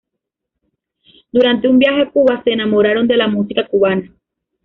Durante un viaje a Cuba, se enamoraron de la música cubana.